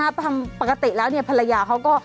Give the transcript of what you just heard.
พาคติแล้วนี่พรรยาเค้าก็